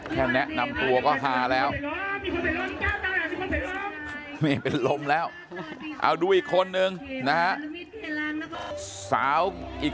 แค่แนะนำตัวก็ฮาแล้วนี่เป็นลมแล้วเอาดูอีกคนนึงนะฮะ